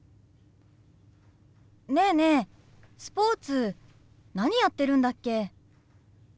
ねえねえスポーツ何やってるんだっけ？